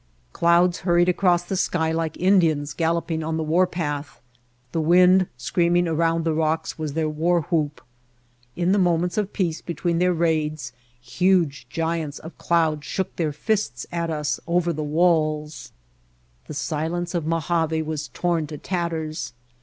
Clouds hurried across the sky like Indians galloping on the war path, the wind screaming around the rocks was their war whoop. In the moments of peace between their raids huge giants of cloud shook their fists at us over the walls. The silence of Mojave was torn to tatters.